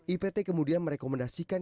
ipt kemudian merekomendasikan